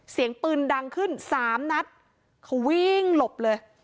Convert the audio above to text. เสียงปืนดังขึ้นสามนัดเขาวิ่งหลบเลย